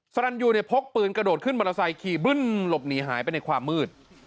สรรยูเนี่ยพกปืนกระโดดขึ้นมอเตอร์ไซค์ขี่บึ้นหลบหนีหายไปในความมืด